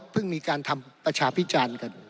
มีการทำประชาพิจารณ์กัน